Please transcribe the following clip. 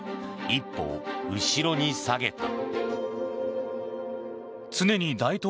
一歩後ろに下げた。